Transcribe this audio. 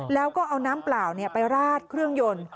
แล้วก็เอาน้ำเปล่าไปราดเครื่องยนต์